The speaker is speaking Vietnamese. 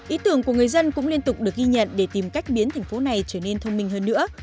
ý tưởng của người dân cũng liên tục được ghi nhận để tìm cách biến thành phố này trở nên thông minh hơn nữa